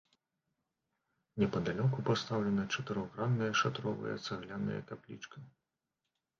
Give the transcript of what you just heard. Непадалёку пастаўлена чатырохгранная шатровая цагляная каплічка.